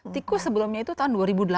tikus sebelumnya itu tahun dua ribu delapan